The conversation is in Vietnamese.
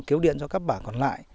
cứu điện cho các bản còn lại